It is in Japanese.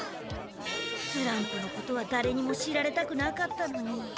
スランプのことはだれにも知られたくなかったのに。